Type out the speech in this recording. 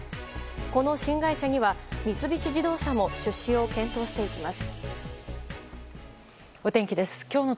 この新会社には三菱自動車も出資を検討しています。